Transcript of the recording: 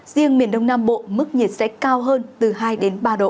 riêng miền đông nam bộ mức nhiệt sẽ cao hơn từ hai đến ba độ